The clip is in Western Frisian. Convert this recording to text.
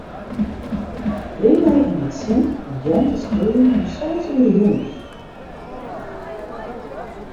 Bring my yn it sin om Jan te skiljen om seis oere jûns.